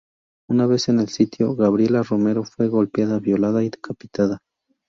Una vez en el sitio, Gabriela Romero fue golpeada, violada y decapitada.